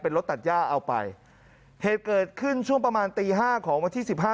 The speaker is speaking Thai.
รถตัดย่าเอาไปเหตุเกิดขึ้นช่วงประมาณตีห้าของวันที่สิบห้า